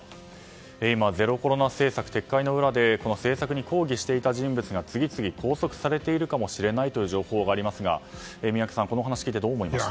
今、ゼロコロナ政策撤回の裏でこの政策に抗議していた人物が次々拘束されているかもしれないという情報がありますが宮家さん、この話を聞いてどう思いましたか？